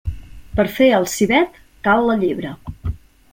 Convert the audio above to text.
Per fer el civet, cal la llebre.